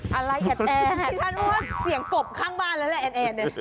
ที่ฉันบอกว่าเสียงกบข้างบ้านเลยแอดแอด